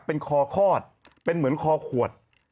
เป็นคอคลอดเป็นเหมือนคอขวด